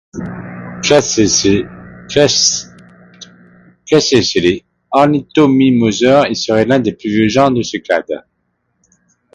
Classé chez les ornithomimosaures, il serait l'un des plus vieux genres de ce clade.